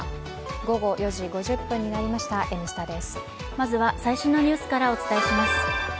まずは最新のニュースからお伝えします。